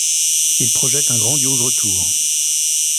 Il projette un grandiose retour.